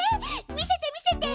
見せて見せて！